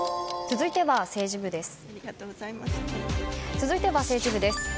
続いては、政治部です。